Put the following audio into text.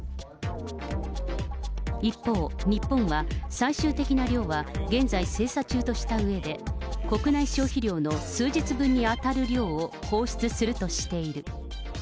一方、日本は最終的な量は現在精査中としたうえで、国内消費量の数日分に当たる量を放出するとしている。